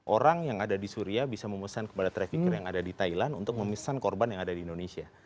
orang yang ada di suria bisa memesan kepada trafficker yang ada di thailand untuk memesan korban yang ada di indonesia